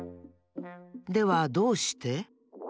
ではどうして？